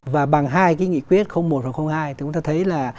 và bằng hai cái nghị quyết một hoặc hai thì chúng ta thấy là